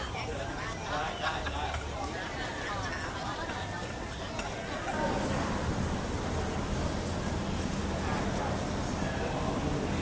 สวัสดีทุกคน